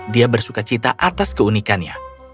dia bersuka cita atas keunikannya